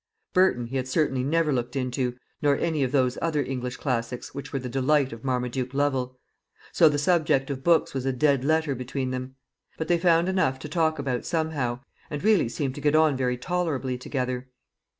Burton he had certainly never looked into, nor any of those other English classics which were the delight of Marmaduke Lovel; so the subject of books was a dead letter between them. But they found enough to talk about somehow, and really seemed to get on very tolerably together.